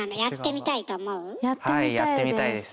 やってみたいです。